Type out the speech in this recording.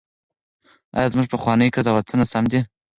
ایا زموږ پخواني قضاوتونه سم دي؟